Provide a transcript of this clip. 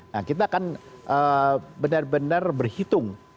nah kita kan benar benar berhitung